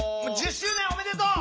１０周年おめでとう！